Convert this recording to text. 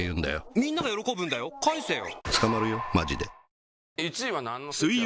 「みんなが喜ぶんだよ返せよ」